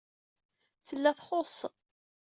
Tella txuṣṣ.